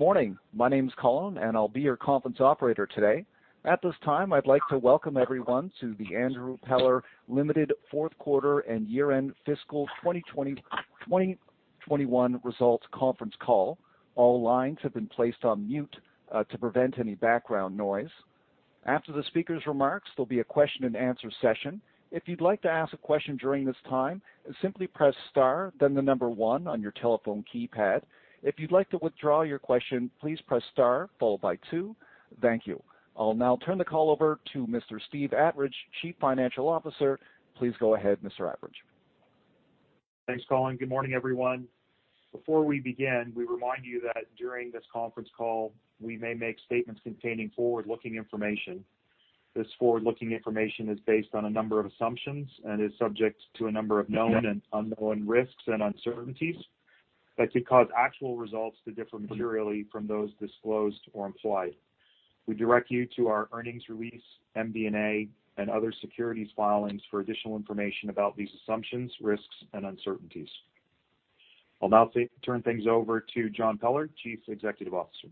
Morning. My name's Colin and I'll be your conference operator today. At this time, I'd like to welcome everyone to the Andrew Peller Limited Fourth Quarter and Year-End Fiscal 2020-2021 Results Conference Call. All lines have been placed on mute to prevent any background noise. After the speaker's remarks, there'll be a question and answer session. If you'd like to ask a question during this time, simply press star then the number one on your telephone keypad. If you'd like to withdraw your question, please press star followed by two. Thank you. I'll now turn the call over to Mr. Steve Attridge, Chief Financial Officer. Please go ahead, Mr. Attridge. Thanks, Colin. Good morning, everyone. Before we begin, we remind you that during this conference call, we may make statements containing forward-looking information. This forward-looking information is based on a number of assumptions and is subject to a number of known and unknown risks and uncertainties that could cause actual results to differ materially from those disclosed or implied. We direct you to our earnings release, MD&A, and other securities filings for additional information about these assumptions, risks, and uncertainties. I'll now turn things over to John Peller, Chief Executive Officer.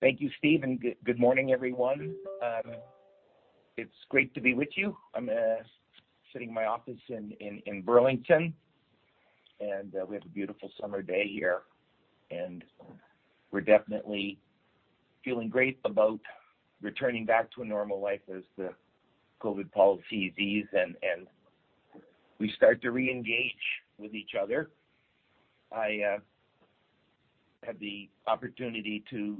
Thank you, Steve, and good morning, everyone. It's great to be with you. I'm sitting in my office in Burlington, and we have a beautiful summer day here. We're definitely feeling great about returning back to a normal life as the COVID policies ease and we start to reengage with each other. I had the opportunity to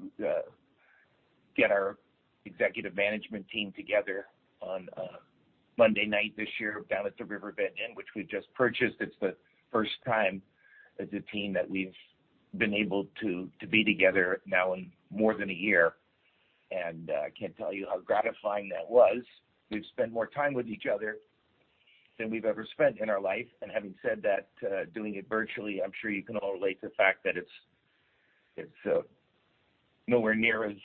get our executive management team together on Monday night this year down at the Riverbend Inn, which we've just purchased. It's the first time as a team that we've been able to be together now in more than a year, and I can't tell you how gratifying that was. We've spent more time with each other than we've ever spent in our life, and having said that, doing it virtually, I'm sure you can all relate to the fact that it's nowhere near as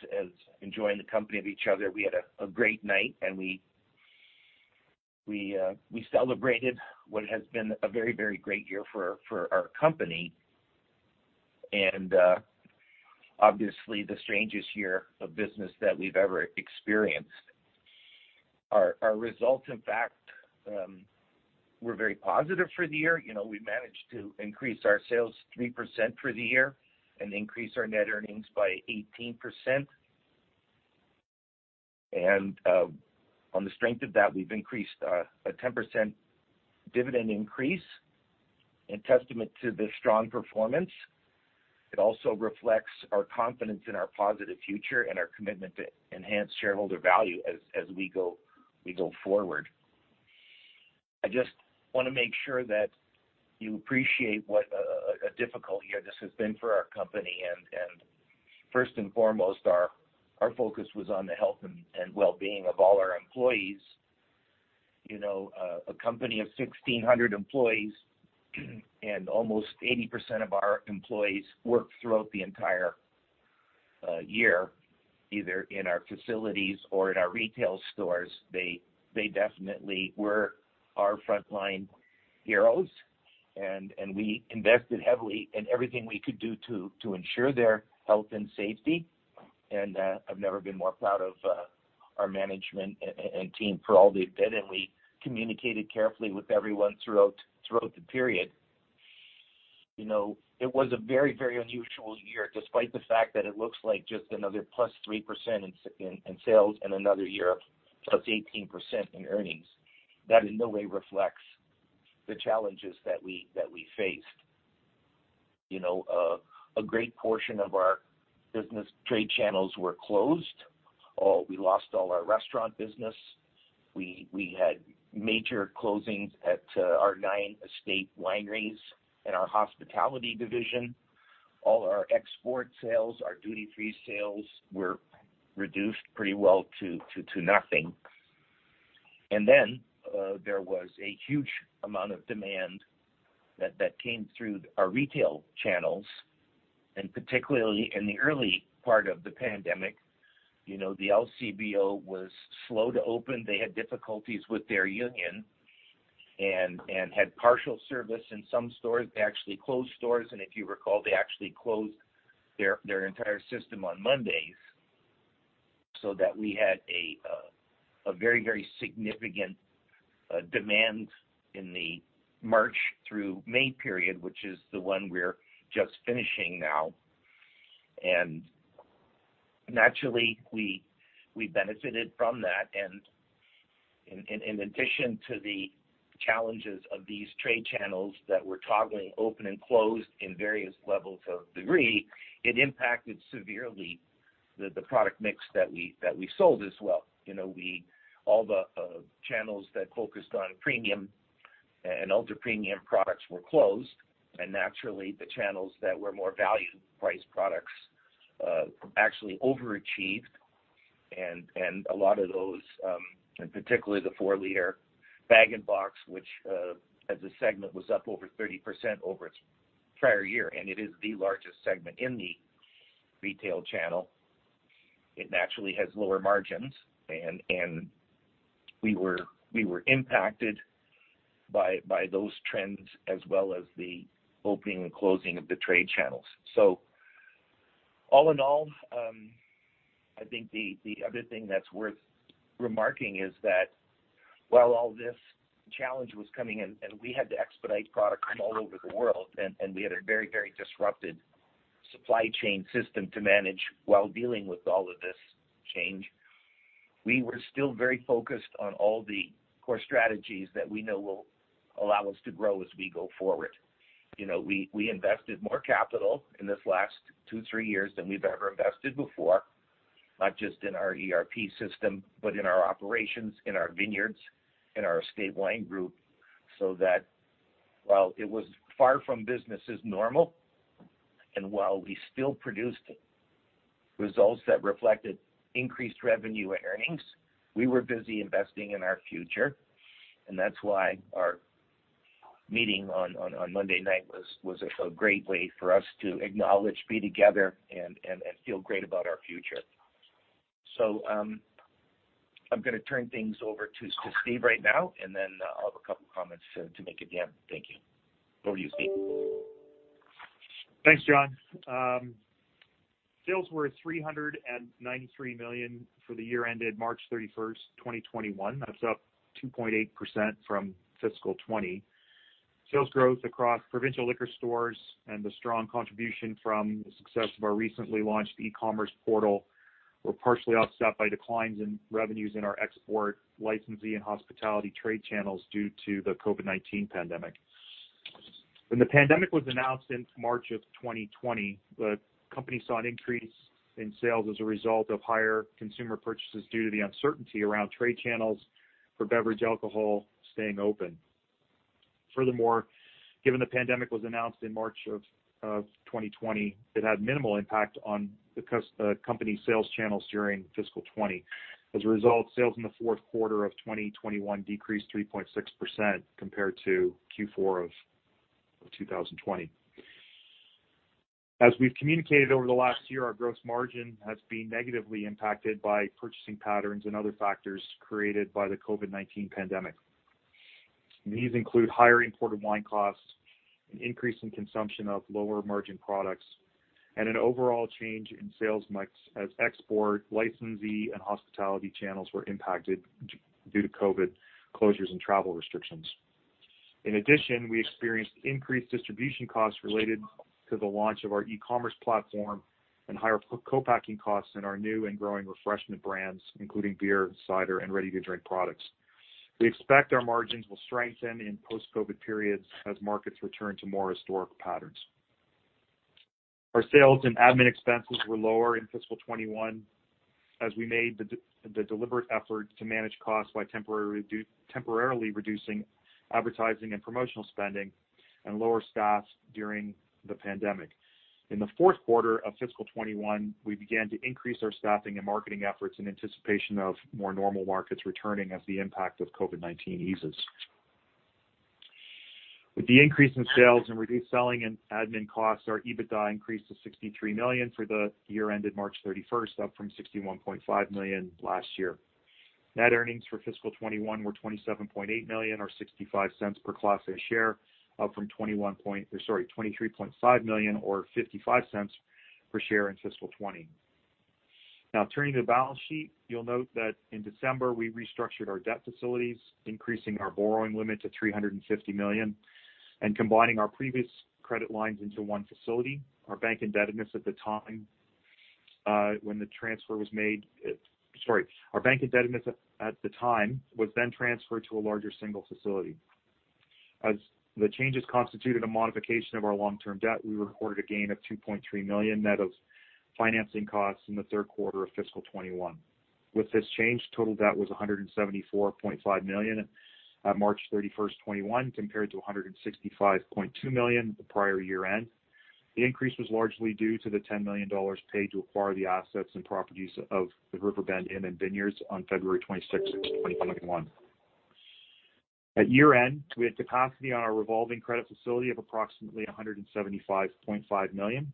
enjoying the company of each other. We had a great night, and we celebrated what has been a very great year for our company, and obviously the strangest year of business that we've ever experienced. Our results, in fact, were very positive for the year. We've managed to increase our sales 3% for the year and increase our net earnings by 18%. On the strength of that, we've increased a 10% dividend increase in testament to the strong performance. It also reflects our confidence in our positive future and our commitment to enhance shareholder value as we go forward. I just want to make sure that you appreciate what a difficult year this has been for our company, and first and foremost, our focus was on the health and wellbeing of all our employees. You know, a company of 1,600 employees, almost 80% of our employees worked throughout the entire year, either in our facilities or in our retail stores. They definitely were our frontline heroes, and we invested heavily in everything we could do to ensure their health and safety. I've never been more proud of our management and team for all they've done and we communicated carefully with everyone throughout the period. You know, it was a very unusual year, despite the fact that it looks like just another +3% in sales and another year of +18% in earnings. That in no way reflects the challenges that we faced, you know. A great portion of our business trade channels were closed. We lost all our restaurant business. We had major closings at our nine estate wineries in our hospitality division. All our export sales, our duty-free sales were reduced pretty well to nothing. Then, there was a huge amount of demand that came through our retail channels, and particularly in the early part of the pandemic, you know, the LCBO was slow to open. They had difficulties with their union and had partial service in some stores. They actually closed stores, and if you recall, they actually closed their entire system on Mondays, so that we had a very significant demand in the March through May period, which is the one we're just finishing now, and naturally, we benefited from that. In addition to the challenges of these trade channels that were toggling open and closed in various levels of degree, it impacted severely, that the product mix that we sold as well. All the channels that focused on premium and ultra-premium products were closed. Naturally, the channels that were more value-priced products actually overachieved, and a lot of those, and particularly the four-liter bag-in-box, which as a segment was up over 30% over its prior year. It is the largest segment in the retail channel. It naturally has lower margins. We were impacted by those trends as well as the opening and closing of the trade channels. All in all, I think the other thing that's worth remarking is that while all this challenge was coming in, and we had to expedite products all over the world, we had a very, very disrupted supply chain system to manage while dealing with all of this change, we were still very focused on all the core strategies that we know will allow us to grow as we go forward. We invested more capital in this last two, three years than we've ever invested before, not just in our ERP system, but in our operations, in our vineyards, and our table wine group, so that while it was far from business as normal, while we still produced results that reflected increased revenue and earnings, we were busy investing in our future, and that's why our meeting on Monday night was a great way for us to acknowledge, be together, and feel great about our future. I'm going to turn things over to Steve right now, and then I'll have a couple of comments to make at the end. Thank you. Over to you, Steve. Thanks, John. Sales were 393 million for the year ended March 31st, 2021. That's up 2.8% from fiscal 2020. Sales growth across provincial liquor stores and the strong contribution from the success of our recently launched e-commerce portal were partially offset by declines in revenues in our export licensee and hospitality trade channels due to the COVID-19 pandemic. When the pandemic was announced since March 2020, the company saw an increase in sales as a result of higher consumer purchases due to the uncertainty around trade channels for beverage alcohol staying open. Furthermore, given the pandemic was announced in March of 2020, it had minimal impact on the company sales channels during fiscal 2020. As a result, sales in the fourth quarter 2021 decreased 3.6%, compared to Q4 2020. As we've communicated over the last year, our gross margin has been negatively impacted by purchasing patterns and other factors created by the COVID-19 pandemic. These include higher imported wine costs, an increase in consumption of lower margin products, and an overall change in sales mix as export, licensee, and hospitality channels were impacted due to COVID closures and travel restrictions. In addition, we experienced increased distribution costs related to the launch of our e-commerce platform and higher co-packing costs in our new and growing refreshment brands, including beer, cider, and ready-to-drink products. We expect our margins will strengthen in post-COVID periods as markets return to more historic patterns. Our sales and admin expenses were lower in fiscal 2021 as we made the deliberate effort to manage costs by temporarily reducing advertising and promotional spending and lower staff during the pandemic. In the fourth quarter of fiscal 2021, we began to increase our staffing and marketing efforts in anticipation of more normal markets returning as the impact of COVID-19 eases. With the increase in sales and reduced selling and admin costs, our EBITDA increased to 63 million for the year ended March 31st, up from 61.5 million last year. Net earnings for fiscal 2021 were 27.8 million or 0.65 per Class A share, up from 23.5 million or 0.55 per share in fiscal 2020. Turning to the balance sheet, you'll note that in December, we restructured our debt facilities, increasing our borrowing limit to 350 million, and combining our previous credit lines into one facility. Our bank indebtedness at the time was then transferred to a larger single facility. As the changes constituted a modification of our long-term debt, we recorded a gain of 2.3 million net of financing costs in the third quarter of fiscal 2021. With this change, total debt was 174.5 million at March 31st, 2021, compared to 165.2 million at the prior year-end. The increase was largely due to the CAD 10 million paid to acquire the assets and properties of the Riverbend Inn and Vineyard on February 26th, 2021. At year-end, we had capacity on our revolving credit facility of approximately 175.5 million.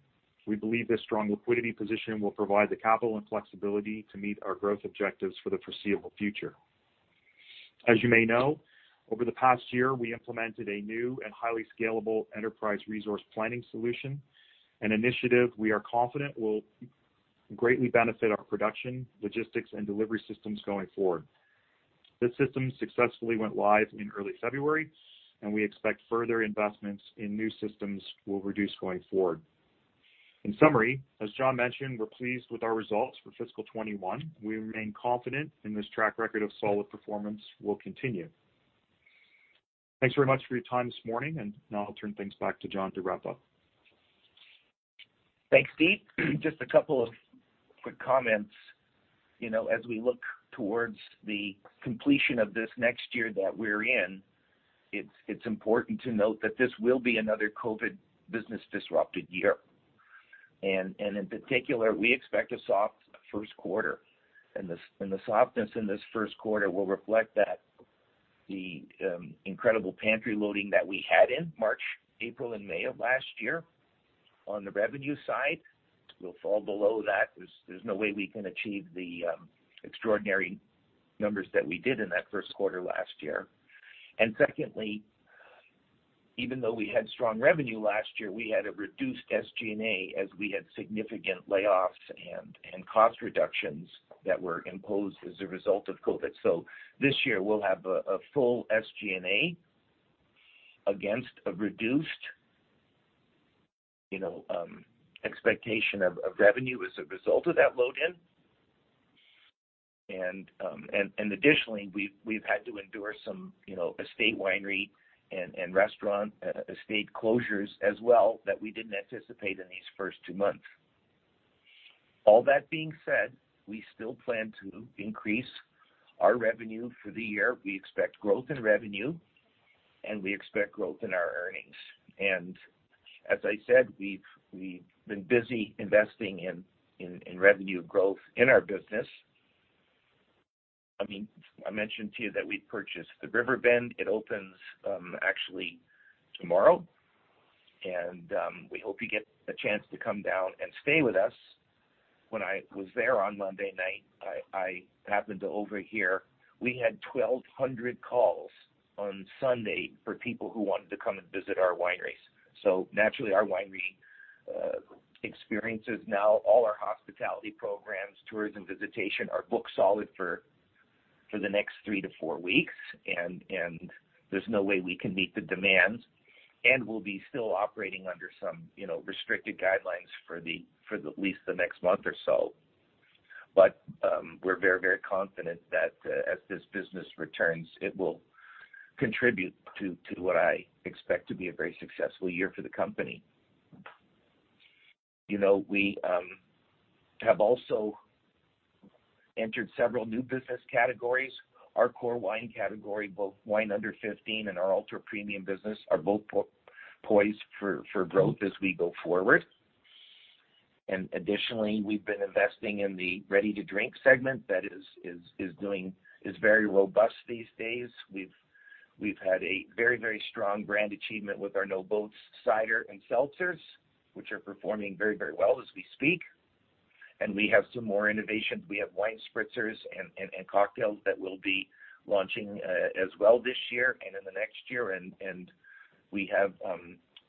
We believe this strong liquidity position will provide the capital and flexibility to meet our growth objectives for the foreseeable future. As you may know, over the past year, we implemented a new and highly scalable enterprise resource planning solution, an initiative we are confident will greatly benefit our production, logistics, and delivery systems going forward. This system successfully went live in early February, and we expect further investments in new systems we'll reduce going forward. In summary, as John mentioned, we're pleased with our results for fiscal 2021. We remain confident in this track record of solid performance will continue. Thanks very much for your time this morning and now I'll turn things back to John to wrap up. Thanks, Steve. Just a couple of quick comments. As we look towards the completion of this next year that we are in, it's important to note that this will be another COVID business disrupted year. In particular, we expect a soft first quarter, and the softness in this first quarter will reflect that the incredible pantry loading that we had in March, April, and May of last year. On the revenue side, we will fall below that, because there's no way we can achieve the extraordinary numbers that we did in that first quarter last year. Secondly, even though we had strong revenue last year, we had a reduced SG&A as we had significant layoffs and cost reductions that were imposed as a result of COVID. This year, we will have a full SG&A against a reduced, you know, expectation of revenue as a result of that load-in. Additionally, we've had to endure some estate winery and restaurant estate closures as well that we didn't anticipate in these first two months. All that being said, we still plan to increase our revenue for the year. We expect growth in revenue and we expect growth in our earnings. As I said, we've been busy investing in revenue growth in our business. I mentioned to you that we purchased a Riverbend. It opens actually tomorrow, and we hope you get a chance to come down and stay with us. When I was there on Monday night, I happened to overhear we had 1,200 calls on Sunday for people who wanted to come and visit our wineries. Naturally, our winery experience is now all our hospitality programs, tourism visitation are booked solid for the next three to four weeks, there's no way we can meet the demand, we'll be still operating under some restricted guidelines for at least the next month or so. We're very confident that as this business returns, it will contribute to what I expect to be a very successful year for the company. We have also entered several new business categories. Our core wine category, both wine under 15 and our ultra-premium business, are both poised for growth as we go forward. Additionally, we've been investing in the ready-to-drink segment that is very robust these days. We've had a very strong brand achievement with our No Boats cider and seltzers, which are performing very well as we speak, and we have some more innovations. We have wine spritzers and cocktails that we'll be launching as well this year and in the next year and we have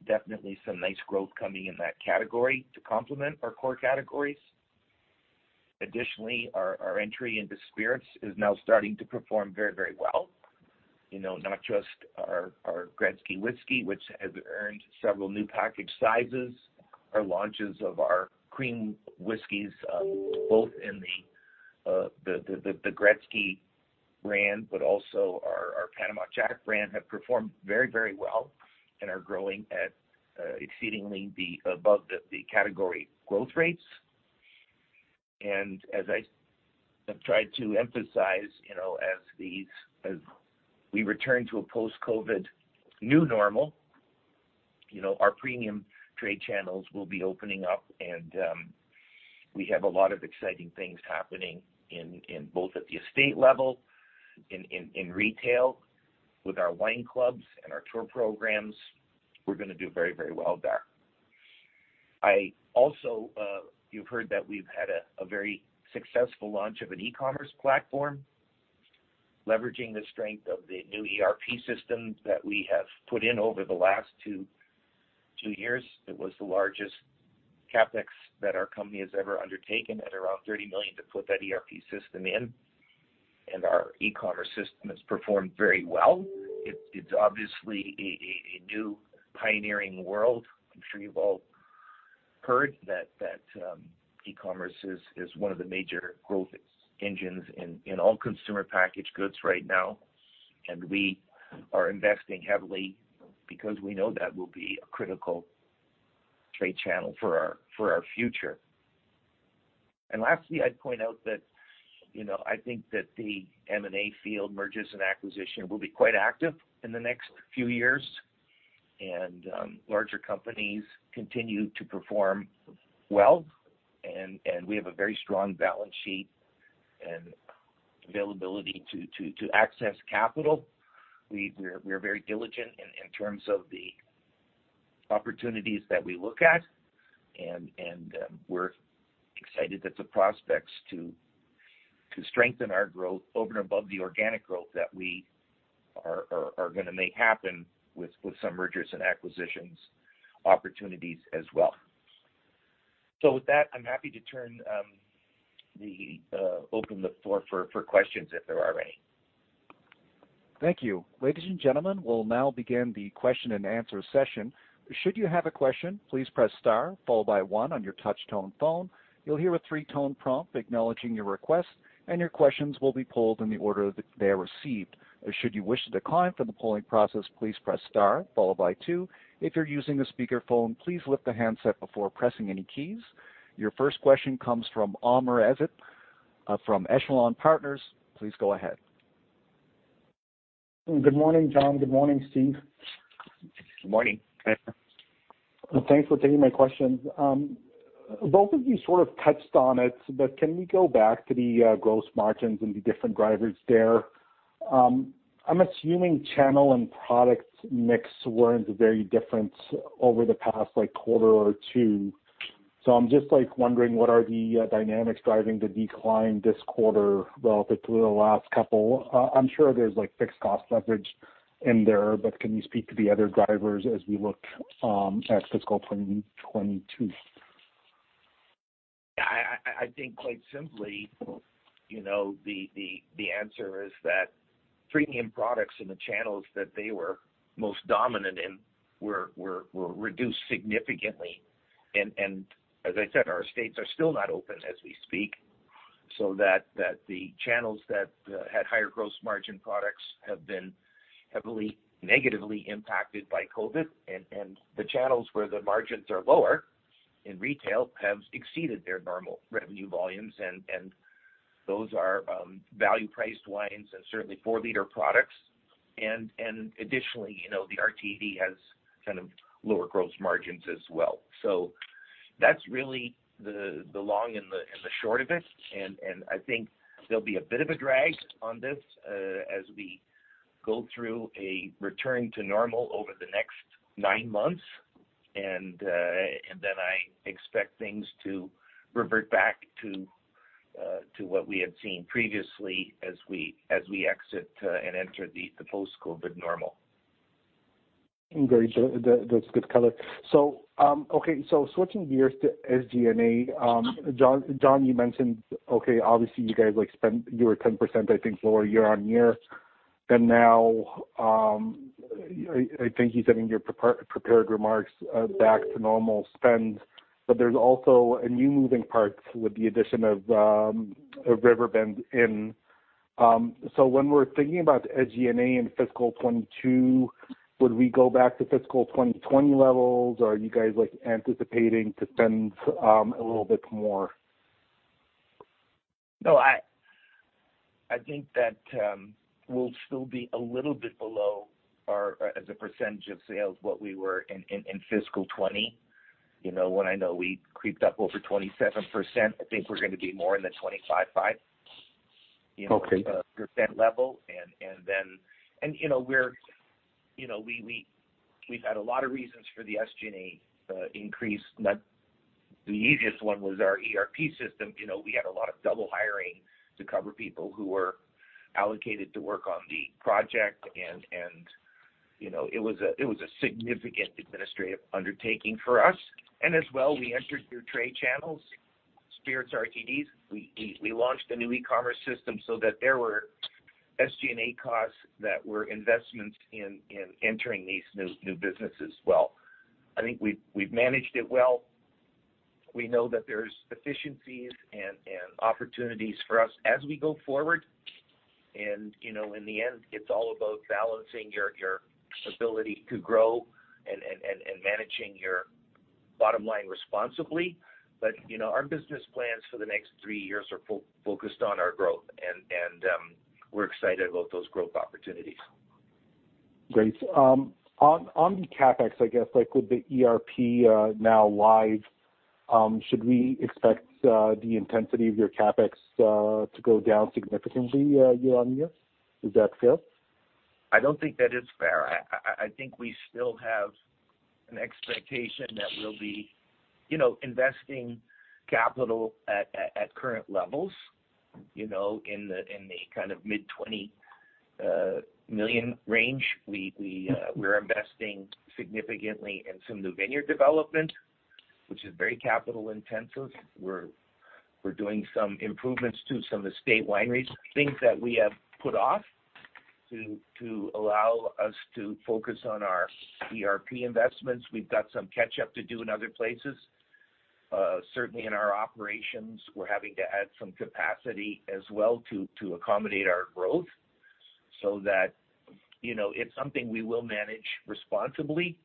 definitely some nice growth coming in that category to complement our core categories. Additionally, our entry into spirits is now starting to perform very, very well. Not just our Gretzky whisky, which has earned several new package sizes. Our launches of our cream whiskeys, both in the Wayne Gretzky brand, but also our Panama Jack brand, have performed very, very well and are growing exceedingly above the category growth rates. As I have tried to emphasize, as we return to a post-COVID new normal, you know, our premium trade channels will be opening up, and we have a lot of exciting things happening in both at the estate level, in retail with our wine clubs and our tour programs. We're going to do very, very well there. You've heard that we've had a very successful launch of an e-commerce platform, leveraging the strength of the new ERP system that we have put in over the last two years. It was the largest CapEx that our company has ever undertaken at around 30 million to put that ERP system in. Our e-commerce system has performed very well. It's obviously a new pioneering world. I'm sure you've all heard that e-commerce is one of the major growth engines in all consumer packaged goods right now. We are investing heavily because we know that will be a critical trade channel for our future. Lastly, I'd point out that, you know, I think that the M&A field, mergers and acquisition, will be quite active in the next few years. Larger companies continue to perform well. We have a very strong balance sheet and availability to access capital. We are very diligent in terms of the opportunities that we look at, and we're excited at the prospects to strengthen our growth over and above the organic growth that we are going to make happen with some mergers and acquisitions opportunities as well. With that, I'm happy to open the floor for questions if there are any. Thank you. Ladies and gentlemen, we'll now begin the question and answer session. Should you have a question, please press star followed by one on your touchtone phone. You'll hear a three tone prompt acknowledging your request and your questions will be pulled in the order they are received, and should you wish to decline for the polling process, please press star followed by two. If you're using a speaker phone, please lift the handset before pressing any keys. Your first question comes from Amr Ezzat from Echelon Partners. Please go ahead. Good morning, John. Good morning, Steve. Good morning. Good morning. Thanks for taking my questions. Both of you sort of touched on it. Can we go back to the gross margins and the different drivers there? I'm assuming channel and product mix weren't very different over the past quarter or two. I'm just wondering what are the dynamics driving the decline this quarter relative to the last couple? I'm sure there's fixed cost leverage in there. Can you speak to the other drivers as we look at fiscal 2022? I think quite simply, you know, the answer is that premium products in the channels that they were most dominant in were reduced significantly. As I said, our estates are still not open as we speak, so that the channels that had higher gross margin products have been heavily negatively impacted by COVID, and the channels where the margins are lower in retail have exceeded their normal revenue volumes, and those are value-priced wines and certainly four-liter products. Additionally, the RTD has kind of lower gross margins as well. That's really the long and the short of it and I think there'll be a bit of a drag on this as we go through a return to normal over the next nine months. Then I expect things to revert back to what we had seen previously as we exit and enter the post-COVID normal. Great, that's good color. Okay, switching gears to SG&A. John, you mentioned, obviously, you were 10% lower year-on-year. Now, I think, you said in your prepared remarks, back to normal spend. There's also new moving parts with the addition of Riverbend Inn. When we're thinking about SG&A in fiscal 2022, would we go back to fiscal 2020 levels, or are you guys anticipating to spend a little bit more? No, I think that we'll still be a little bit below as a percentage of sales what we were in fiscal 2020, you know, when I know we creeped up over 27%, I think we're going to be more in the 25.5%. Okay You know, percent level, and then, you know, we've had a lot of reasons for the SG&A increase. The easiest one was our ERP system. We had a lot of double hiring to cover people who were allocated to work on the project, and it was a significant administrative undertaking for us. As well, we entered new trade channels, spirits, RTDs. We launched a new e-commerce system so that there were SG&A costs that were investments in entering these new businesses as well. I think we've managed it well. We know that there's efficiencies and opportunities for us as we go forward. In the end, it's all about balancing your ability to grow and managing your bottom line responsibly. Our business plans for the next three years are focused on our growth and we're excited about those growth opportunities. Great, on the CapEx, I guess, with the ERP now live, should we expect the intensity of your CapEx to go down significantly year-over-year? Is that fair? I don't think that is fair. I think we still have an expectation that we'll be investing capital at current levels, you know, in the kind of mid-20 million range. We're investing significantly in some new vineyard development, which is very capital intensive. We're doing some improvements to some estate wineries, things that we have put off to allow us to focus on our ERP investments. We've got some catch up to do in other places. Certainly, in our operations, we're having to add some capacity as well to accommodate our growth, so that it's something we will manage responsibly.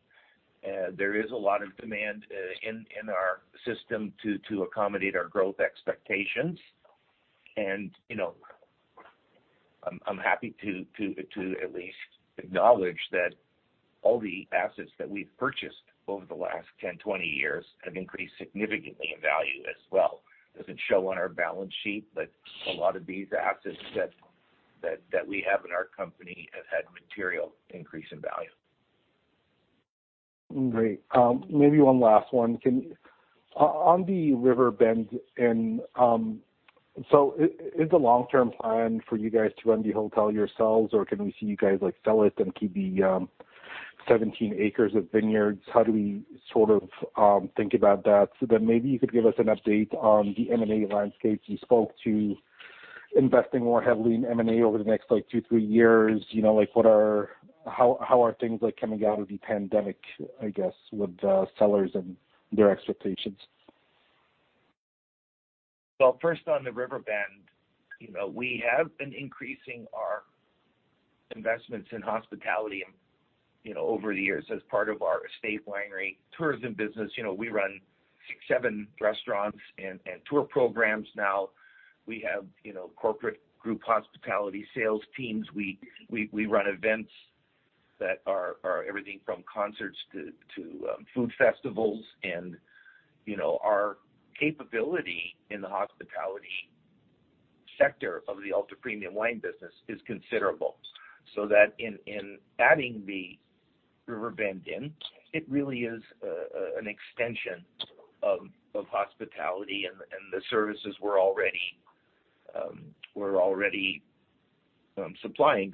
There is a lot of demand in our system to accommodate our growth expectations. I'm happy to at least acknowledge that all the assets that we've purchased over the last 10 years, 20 years have increased significantly in value as well. It doesn't show on our balance sheet, but a lot of these assets that we have in our company have had material increase in value. Great, maybe one last one. On the Riverbend Inn, is the long-term plan for you guys to run the hotel yourselves, or can we see you guys sell it and keep the 17 acres of vineyards? How do we sort of think about that? Then maybe you could give us an update on the M&A landscape. You spoke to investing more heavily in M&A over the next two, three years. How are things coming out of the pandemic, I guess, with sellers and their expectations? Well, first on the Riverbend, we have been increasing our investments in hospitality over the years as part of our estate winery tourism business, you know, we run six, seven restaurants and tour programs now. We have corporate group hospitality sales teams. We run events that are everything from concerts to food festivals. Our capability in the hospitality sector of the ultra-premium wine business is considerable, so that in adding the Riverbend Inn, it really is an extension of hospitality and the services we're already supplying.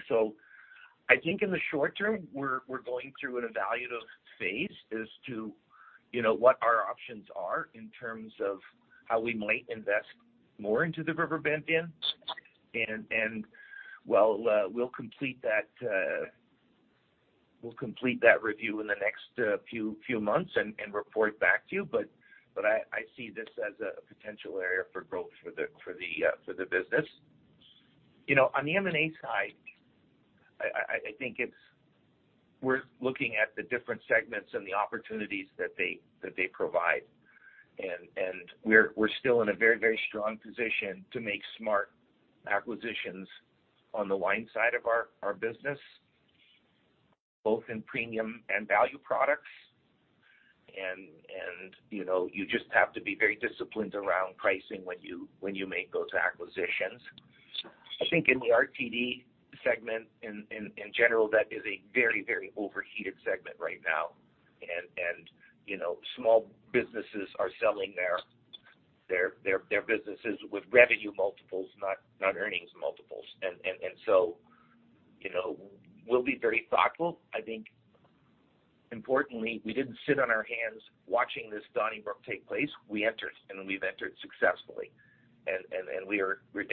I think in the short term, we're going through an evaluative phase as to what our options are in terms of how we might invest more into the Riverbend Inn. We'll complete that review in the next few months and report back to you. I see this as a potential area for growth for the business. On the M&A side, I think it's worth looking at the different segments and the opportunities that they provide. We're still in a very strong position to make smart acquisitions on the wine side of our business, both in premium and value products. You just have to be very disciplined around pricing when you make those acquisitions. I think in the RTD segment, in general, that is a very, very overheated segment right now. Small businesses are selling their businesses with revenue multiples, not earnings multiples. We'll be very thoughtful. I think importantly, we didn't sit on our hands watching this Donnybrook take place. We entered, and we've entered successfully. We're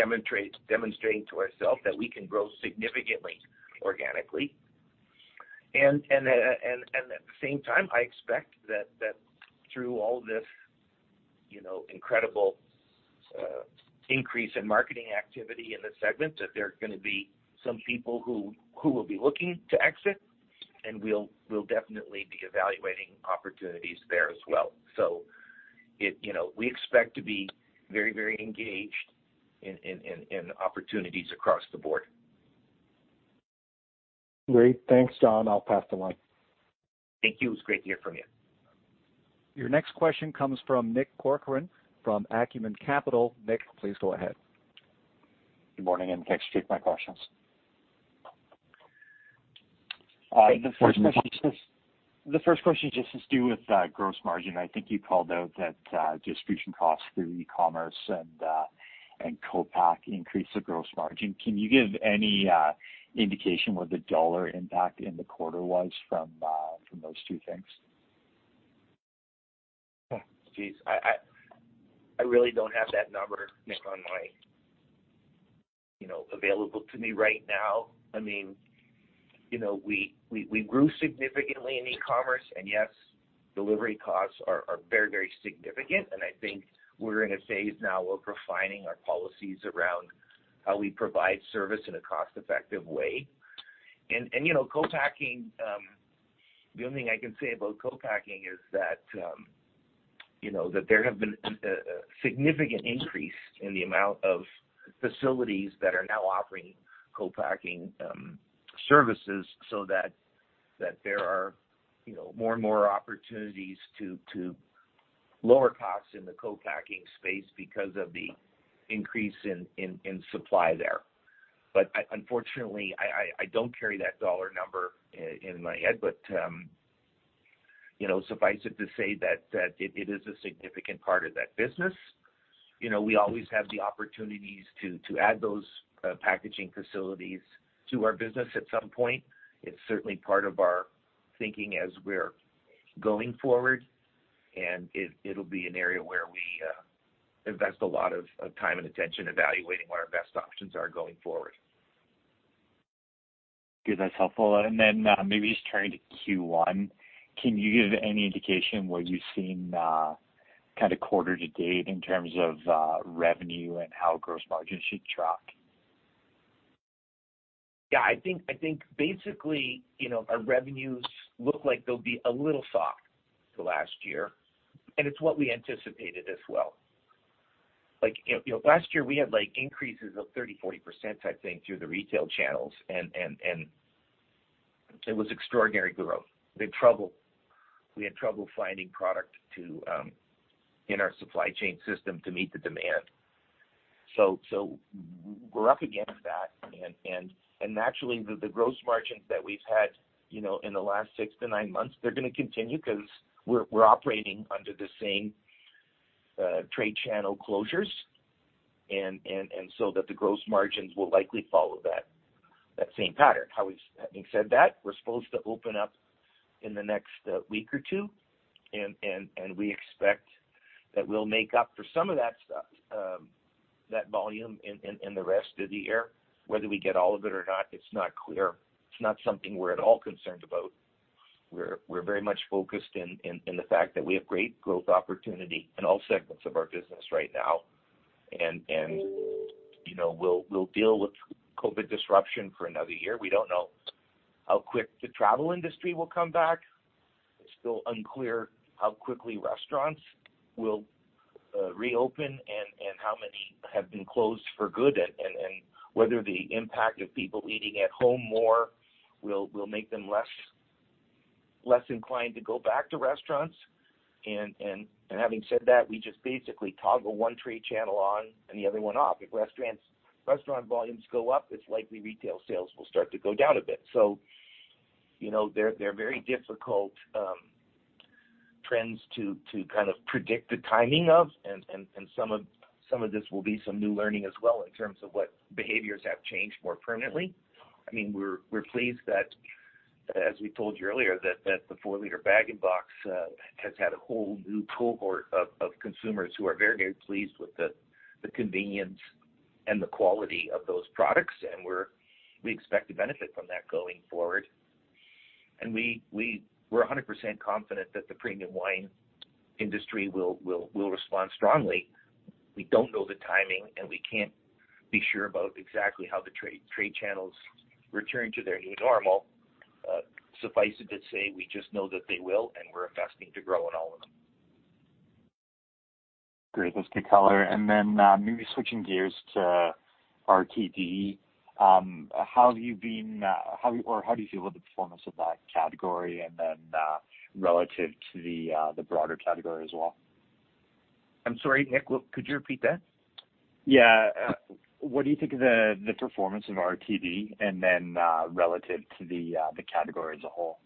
demonstrating to ourselves that we can grow significantly organically. At the same time, I expect that through all this incredible increase in marketing activity in the segment, that there are going to be some people who will be looking to exit, and we will definitely be evaluating opportunities there as well. We expect to be very engaged in opportunities across the board. Great. Thanks, John. I'll pass the line. Thank you. It was great to hear from you. Your next question comes from Nick Corcoran from Acumen Capital. Nick, please go ahead. Good morning and thanks for taking my questions. Go ahead, Nick. The first question just is to do with gross margin. I think you called out that distribution costs through e-commerce and co-pack increase the gross margin. Can you give any indication what the dollar impact in the quarter was from those two things? Oh, jeez, I really don't have that number, Nick, you know, available to me right now. We grew significantly in e-commerce, and yes, delivery costs are very significant, and I think we're in a phase now where we're refining our policies around how we provide service in a cost-effective way. The only thing I can say about co-packing is that there have been a significant increase in the amount of facilities that are now offering co-packing services, so that there are more and more opportunities to lower costs in the co-packing space because of the increase in supply there. Unfortunately, I don't carry that dollar number in my head, but, you know, suffice it to say that it is a significant part of that business. We always have the opportunities to add those packaging facilities to our business at some point. It's certainly part of our thinking as we're going forward, and it'll be an area where we invest a lot of time and attention evaluating what our best options are going forward. Good, that's helpful, and then maybe just turning to Q1, can you give any indication what you've seen kind of quarter to date in terms of revenue and how gross margins should track? Yeah, I think basically, our revenues look like they'll be a little soft to last year, and it's what we anticipated as well. Last year, we had increases of 30%, 40% type thing through the retail channels, and it was extraordinary growth. We had trouble finding product in our supply chain system to meet the demand. We're up against that, and naturally, the gross margins that we've had in the last six months to nine months, they're going to continue because we're operating under the same trade channel closures, and so that the gross margins will likely follow that, that same pattern. Having said that, we're supposed to open up in the next week or two, and we expect that we'll make up for some of that volume in the rest of the year. Whether we get all of it or not, it's not clear. It's not something we're at all concerned about. We're very much focused in the fact that we have great growth opportunity in all segments of our business right now. We'll deal with COVID disruption for another year. We don't know how quick the travel industry will come back. It's still unclear how quickly restaurants will reopen and how many have been closed for good, and whether the impact of people eating at home more will make them less inclined to go back to restaurants. Having said that, we just basically toggle one trade channel on and the other one off. If restaurant volumes go up, it's likely retail sales will start to go down a bit. They're very difficult trends to predict the timing of, and some of this will be some new learning as well in terms of what behaviors have changed more permanently. We're pleased that, as we told you earlier, that the four-liter bag in box has had a whole new cohort of consumers who are very pleased with the convenience and the quality of those products, and we expect to benefit from that going forward. We're 100% confident that the premium wine industry will respond strongly. We don't know the timing and we can't be sure about exactly how the trade channels return to their new normal. Suffice it to say, we just know that they will, and we're investing to grow in all of them. Great, that's good color, and maybe switching gears to RTD. How do you feel about the performance of that category and then relative to the broader category as well? I'm sorry, Nick, could you repeat that? Yeah, what do you think of the performance of RTD, and then relative to the category as a whole?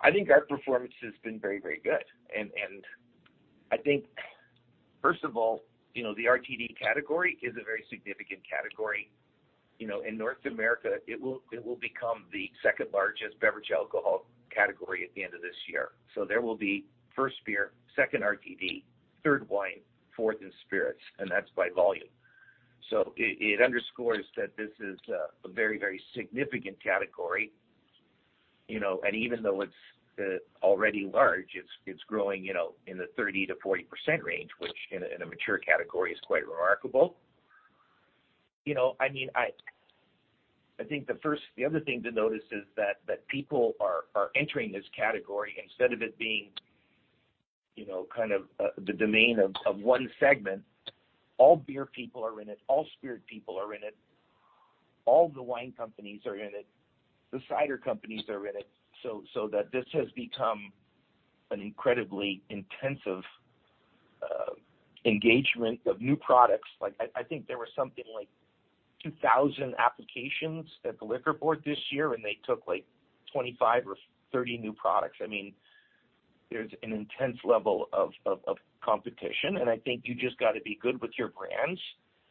I think our performance has been very, very good. I think, first of all, the RTD category is a very significant category. In North America, it will become the second-largest beverage alcohol category at the end of this year. There will be first beer, second RTD, third wine, fourth is spirits, and that's by volume. It underscores that this is a very significant category, you know. Even though it's already large, it's growing in the 30% to 40% range, which in a mature category is quite remarkable. I think the other thing to notice is that people are entering this category. Instead of it being the domain of one segment, all beer people are in it, all spirit people are in it, all the wine companies are in it, the cider companies are in it. This has become an incredibly intensive engagement of new products. I think there were something like 2,000 applications at the liquor board this year, and they took 25 or 30 new products. There's an intense level of competition, and I think you just got to be good with your brands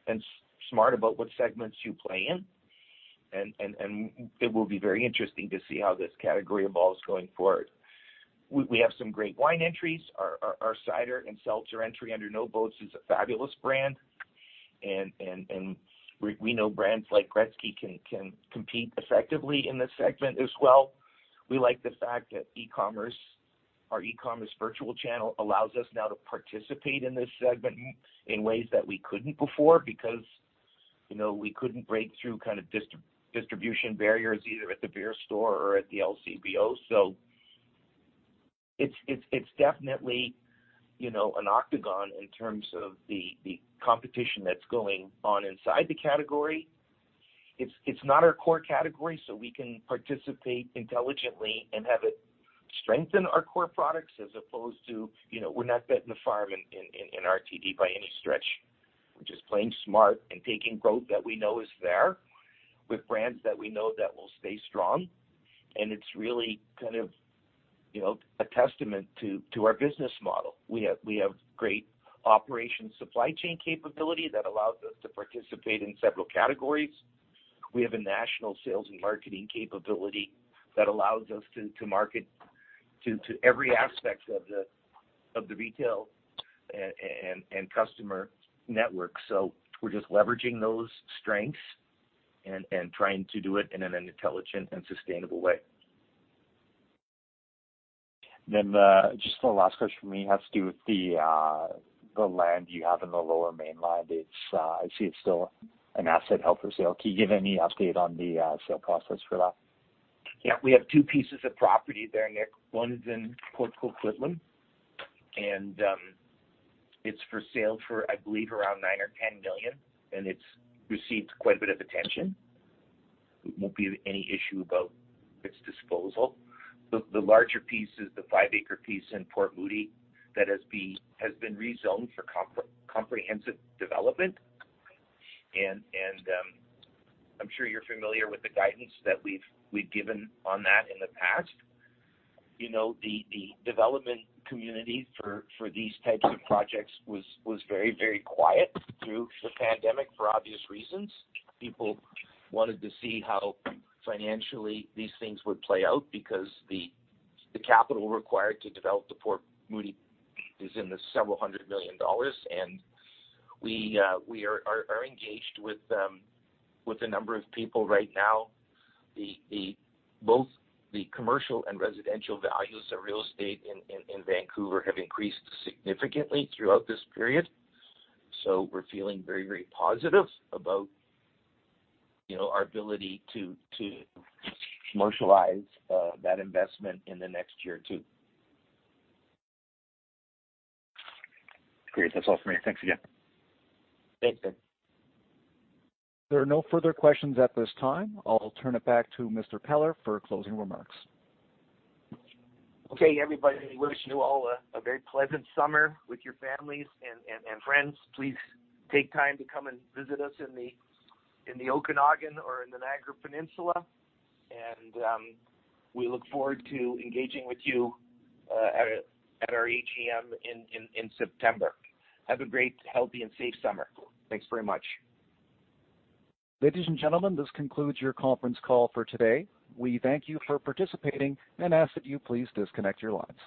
and smart about what segments you play in. It will be very interesting to see how this category evolves going forward. We have some great wine entries. Our cider and seltzer entry under No Boats is a fabulous brand, and we know brands like Gretzky can compete effectively in this segment as well. We like the fact that our e-commerce, our e-commerce virtual channel allows us now to participate in this segment in ways that we couldn't before, because we couldn't break through distribution barriers either at the beer store or at the LCBO. It's definitely an octagon in terms of the competition that's going on inside the category. It's not our core category. We can participate intelligently and have it strengthen our core products as opposed to we're not betting the farm in RTD by any stretch. We're just playing smart and taking growth that we know is there, with brands that we know that will stay strong, and it's really a testament to our business model. We have great operations supply chain capability that allows us to participate in several categories. We have a national sales and marketing capability that allows us to market to every aspect of the retail and customer network. We're just leveraging those strengths and trying to do it in an intelligent and sustainable way. Then just the last question from me has to do with the land you have in the lower mainland. I see it's still an asset held for sale. Can you give any update on the sale process for that? Yeah, we have two pieces of property there, Nick. One is in Port Coquitlam, and it's for sale for, I believe, around 9 million or 10 million, and it's received quite a bit of attention. It won't be any issue about its disposal. The larger piece is the five-acre piece in Port Moody that has been rezoned for comprehensive development. I'm sure you're familiar with the guidance that we've given on that in the past. You know, the development community for these types of projects was very quiet through the pandemic for obvious reasons. People wanted to see how financially these things would play out because the capital required to develop the Port Moody is in the several 100 million dollars, and we are engaged with a number of people right now. Both the commercial and residential values of real estate in Vancouver have increased significantly throughout this period, so we're feeling very, very positive about our ability to commercialize that investment in the next year or two. Great, that's all for me, thanks again. Thanks, Nick. There are no further questions at this time. I'll turn it back to Mr. Peller for closing remarks. Okay, everybody. We wish you all a very pleasant summer with your families and friends. Please take time to come and visit us in the Okanagan or in the Niagara Peninsula. We look forward to engaging with you at our AGM in September. Have a great, healthy, and safe summer. Thanks very much. Ladies and gentlemen, this concludes your conference call for today. We thank you for participating and ask that you please disconnect your lines.